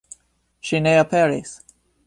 Ŝi ne aperis.